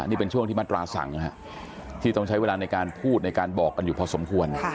นี่เป็นช่วงที่มาตราสั่งที่ต้องใช้เวลาในการพูดในการบอกกันอยู่พอสมควร